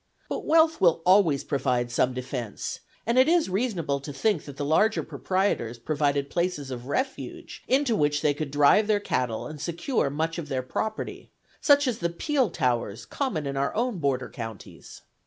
But wealth will always provide some defence; and it is reasonable to think that the larger proprietors provided places of refuge, into which they could drive their cattle and secure much of their property, such as the peel towers common in our own border counties.